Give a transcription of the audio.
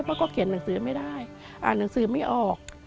เพราะก็เขียนหนังสือไม่ได้อ่านหนังสือไม่ออก